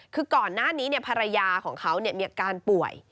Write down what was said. คือก่อนหน้านี้ภรรยาของเขามีอาการป่วย